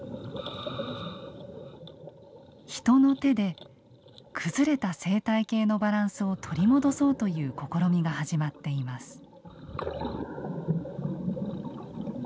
人の手で崩れた生態系のバランスを取り戻そうという試みが始まっています。